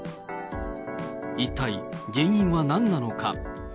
一体、原因はなんなのか。